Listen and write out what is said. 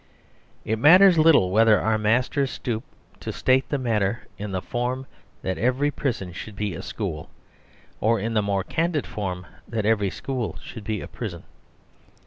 It matters little whether our masters stoop to state the matter in the form that every prison should be a school; or in the more candid form that every school should be a prison.